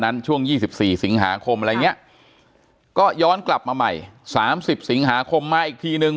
ช่วง๒๔สิงหาคมอะไรอย่างนี้ก็ย้อนกลับมาใหม่๓๐สิงหาคมมาอีกทีนึง